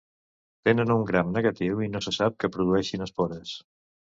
Tenen un gram negatiu i no se sap que produeixin espores.